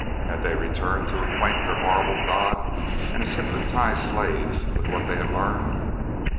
Had they returned to acquaint their horrible god and his hypnotised slaves with what they had learned?